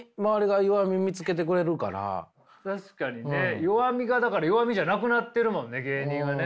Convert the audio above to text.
確かにね弱みがだから弱みじゃなくなってるもんね芸人はね。